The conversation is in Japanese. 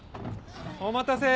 お待たせ！